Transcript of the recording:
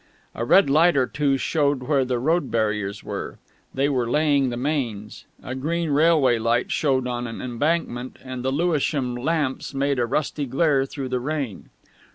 A red light or two showed where the road barriers were they were laying the mains; a green railway light showed on an embankment; and the Lewisham lamps made a rusty glare through the rain.